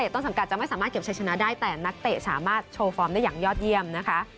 ต้นสังกัดจะไม่สามารถเก็บใช้ชนะได้แต่นักเตะสามารถโชว์ฟอร์มได้อย่างยอดเยี่ยมนะคะ